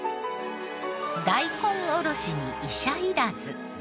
「大根おろしに医者いらず」